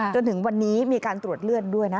จนถึงวันนี้ทีนี้มากินตรวจเลือดด้วย